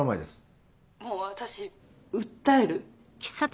もう私訴える。